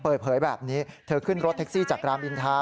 เปิดเผยแบบนี้เธอขึ้นรถแท็กซี่จากรามอินทา